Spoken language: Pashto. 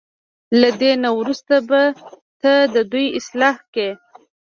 له دې نه وروسته به ته د دوی اصلاح کړې.